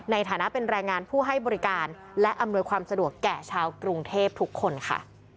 ในฐานะเป็นแรงงานผู้ให้บริการและอำนวยความสะดวกแก่ชาวกรุงเทพทุกคนค่ะ